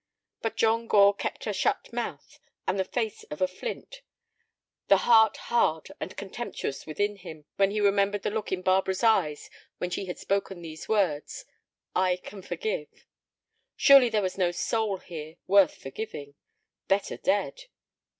But John Gore kept a shut mouth and the face of a flint, the heart hard and contemptuous within him when he remembered the look in Barbara's eyes when she had spoken these words: "I can forgive." Surely there was no soul here worth forgiving. Better dead.